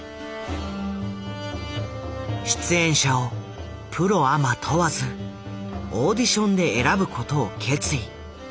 出演者をプロアマ問わずオーディションで選ぶことを決意。